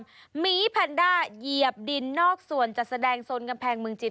หมีแพนด้าเหยียบดินนอกส่วนจัดแสดงโซนกำแพงเมืองจิต